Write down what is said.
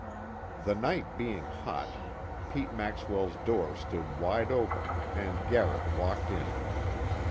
The night being hot, Pete Maxwell's door stood wide open, and Garrett walked in.